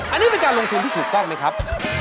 อันนี้มันจะลงถึงที่ถูกก้อนไหมครับ